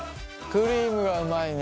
クリームがうまいね。